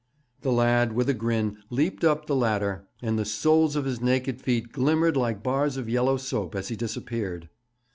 The lad, with a grin, leapt up the ladder, and the soles of his naked feet glimmered like bars of yellow soap as he disappeared.